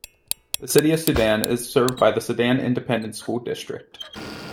The City of Sudan is served by the Sudan Independent School District.